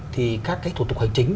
thì các cái tổ tục hành chính